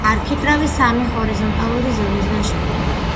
არქიტრავი სამი ჰორიზონტალური ზოლისაგან შედგება.